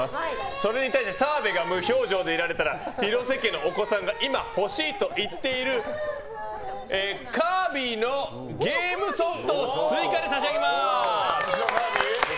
それに対して澤部が無表情でいられたら廣瀬家のお子さんが今欲しいと言っている「カービィ」のゲームソフトを追加で差し上げます。